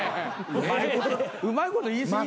うまいこと言い過ぎでしょ。